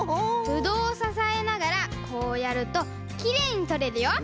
ブドウをささえながらこうやるときれいにとれるよ！